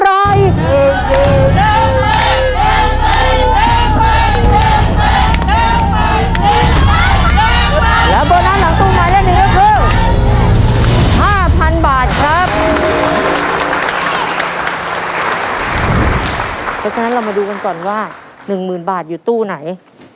ดังนั้นเรามาดูกันก่อนว่า๑หมื่นบาทอยู่ตู้ไหน